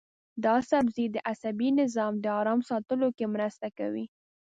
دا سبزی د عصبي نظام د ارام ساتلو کې مرسته کوي.